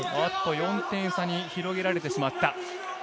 ４点差に広げられてしまった。